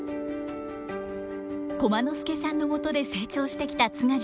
駒之助さんのもとで成長してきた津賀寿さん。